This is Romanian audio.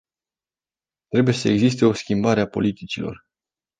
Trebuie să existe o schimbare a politicilor.